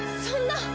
そんな。